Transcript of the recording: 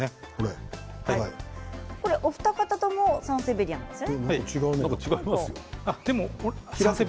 お二方ともサンセベリアです。